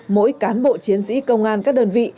mỗi cán bộ chiến sĩ công an các đơn vị